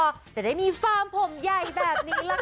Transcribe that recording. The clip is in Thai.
จะได้มีฟาร์มผมใหญ่แบบนี้ล่ะค่ะ